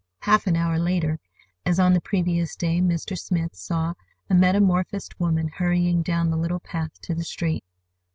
Half an hour later, as on the previous day, Mr. Smith saw a metamorphosed woman hurrying down the little path to the street.